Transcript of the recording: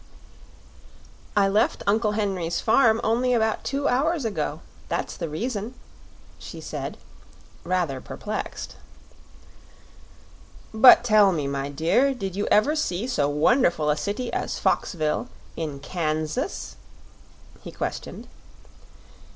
"I left Uncle Henry's farm only about two hours ago; that's the reason," she said, rather perplexed. "But, tell me, my dear, did you ever see so wonderful a city as Foxville in Kansas?" he questioned.